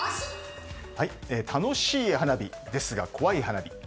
楽しい花火ですが怖い花火。